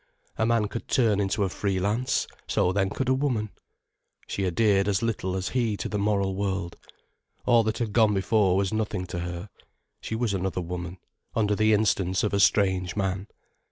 A man could turn into a free lance: so then could a woman. She adhered as little as he to the moral world. All that had gone before was nothing to her. She was another woman, under the instance of a strange man.